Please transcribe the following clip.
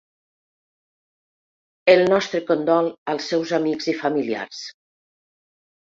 El nostre condol als seus amics i familiars.